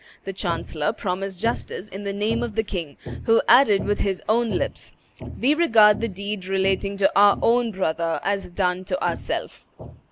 The chancellor promised justice in the name of the king, who added with his own lips, "We regard the deed relating to our own brother as done to ourself."